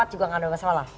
empat juga gak ada masalah